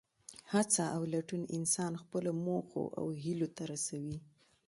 هڅه او لټون انسان خپلو موخو او هیلو ته رسوي.